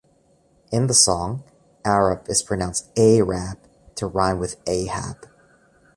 In the song, Arab is pronounced "Ay-rab" to rhyme with Ahab.